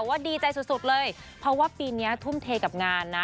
ว่าดีใจสุดเลยเพราะว่าปีนี้ทุ่มเทกับงานนะ